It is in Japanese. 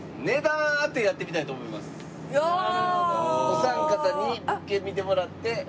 お三方に物件見てもらって。